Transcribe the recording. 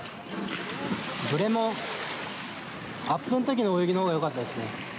ブレもアップの時の泳ぎのほうが良かったですね。